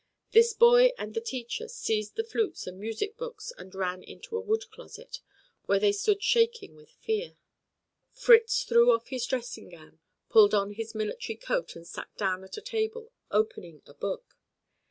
This boy and the teacher seized the flutes and music books and ran into a wood closet, where they stood shaking with fear. Fritz threw off his dressing gown, pulled on his military coat and sat down at a table, opening a book.